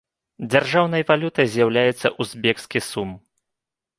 Дзяржаўнай валютай з'яўляецца узбекскі сум.